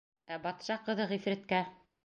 Ә батша ҡыҙы ғифриткә: